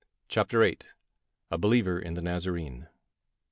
CHAPTER VIII. A BELIEVER IN THE NAZARENE.